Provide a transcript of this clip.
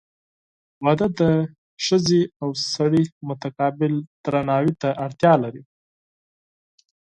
• واده د ښځې او سړي متقابل احترام ته اړتیا لري.